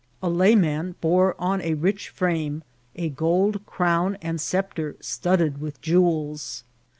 A layman bore on a rich frame a gold crown and sceptre studded with jewels.